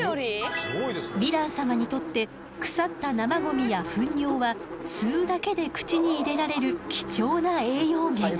ヴィラン様にとって腐った生ゴミやふん尿は吸うだけで口に入れられる貴重な栄養源。